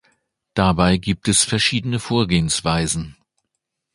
Dabei gab es verschiedene Vorgehensweisen.